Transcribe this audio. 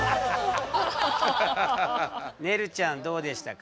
ねるちゃんどうでしたか？